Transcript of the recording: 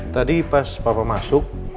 tadi pas papa masuk